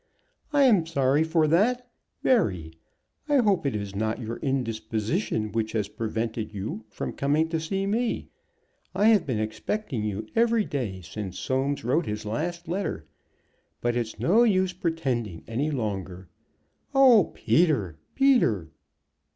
"I am sorry for that, very. I hope it is not your indisposition which has prevented you from coming to see me. I have been expecting you every day since Soames wrote his last letter. But it's no use pretending any longer. Oh, Peter, Peter!"